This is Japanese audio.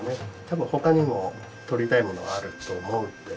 多分ほかにも撮りたいものはあると思うんで。